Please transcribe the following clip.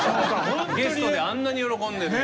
ゲストであんなに喜んでる。